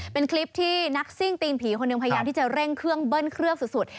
เป็นคลิปที่นักซิ่งตีนผีคนหนึ่งพยายามที่จะเร่งเครื่องเบิ้ลเครื่องสุด